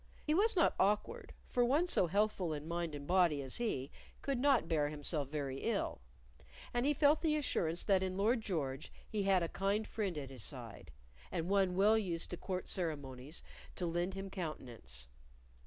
He was not awkward, for one so healthful in mind and body as he could not bear himself very ill, and he felt the assurance that in Lord George he had a kind friend at his side, and one well used to court ceremonies to lend him countenance.